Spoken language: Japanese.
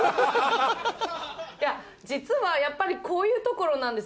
実はやっぱりこういうところなんです。